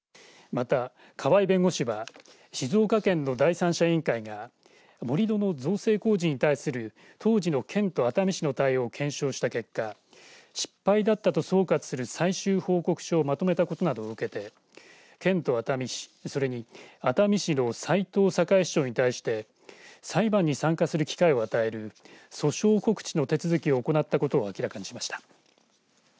また、河合弁護士は静岡県の第三者委員会が盛り土の造成工事に対する当時の県と熱海市の対応を検証した結果失敗だったと総括する最終報告書をまとめたことなどを受けて県と熱海市、それに熱海市の斉藤栄市長に対して裁判に参加する機会を与える訴訟告知の手続きを行ったことを明らかにしました。